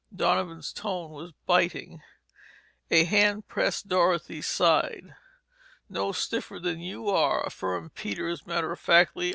Donovan's tone was biting. A hand pressed Dorothy's side. "No stiffer than you are," affirmed Peters matter of factly.